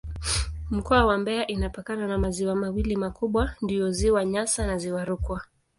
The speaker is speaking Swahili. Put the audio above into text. Mkoa wa Mbeya inapakana na maziwa mawili makubwa ndiyo Ziwa Nyasa na Ziwa Rukwa.